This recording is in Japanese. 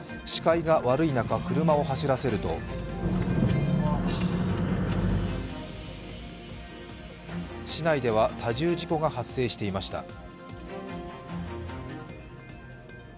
視界が悪い中、車を走らせると市内では多重事故が発生していました。